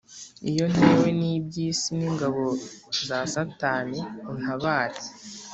Iyo ntewe nibyisi n’ingabo za satani untabare